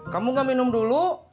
kamu nggak minum dulu